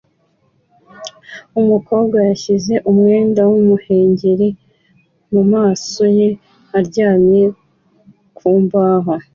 Umukobwa yashyize umwenda w'umuhengeri mu maso ye aryamye ku mbaho